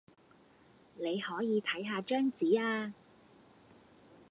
你可以睇吓張紙呀